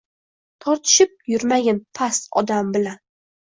«Tortishib yurmagin past odam bilan!»